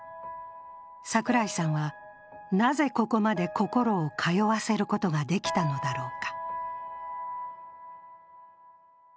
櫻井さんは、なぜここまで心を通わせることができたのだろうか。